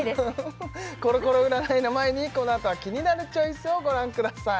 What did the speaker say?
コロコロ占いの前にこのあとは「キニナルチョイス」をご覧ください